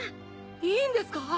いいんですか？